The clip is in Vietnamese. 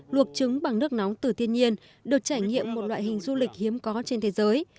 luộc trứng bằng nước nóng từ thiên nhiên được trải nghiệm một loại hình du lịch hiếm có trên thế giới